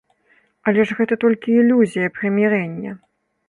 Але ж гэта толькі ілюзія прымірэння.